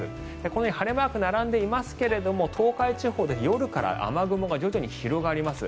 このように晴れマーク並んでいますが東海地方で夜から雨雲が徐々に広がります。